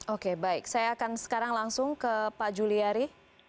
oke baik saya akan sekarang langsung ke pak juliari